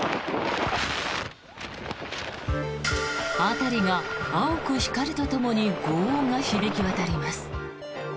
辺りが青く光るとともにごう音が響き渡ります。